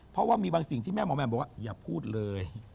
เพราะว่ามีบางสิ่งที่แม่หมอแมมบอกว่าอย่าพูดเลย